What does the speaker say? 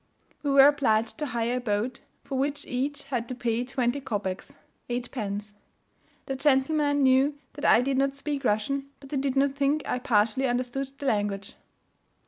We were obliged to hire a boat, for which each had to pay twenty kopecs (8d.) The gentlemen knew that I did not speak Russian but they did not think I partially understood the language.